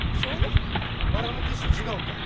バラの騎士と違うんかい？